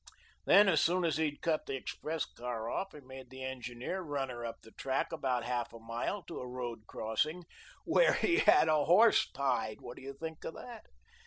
Then, as soon as he'd cut the express car off, he made the engineer run her up the track about half a mile to a road crossing, WHERE HE HAD A HORSE TIED. What do you think of that?